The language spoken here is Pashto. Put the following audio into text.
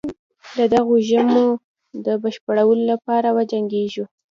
د دغو ژمنو د بشپړولو لپاره وجنګیږو.